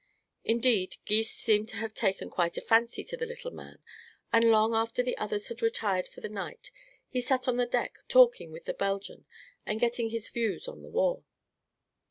Indeed, Gys seemed to have taken quite a fancy to the little man and long after the others had retired for the night he sat on deck talking with the Belgian and getting his views of the war.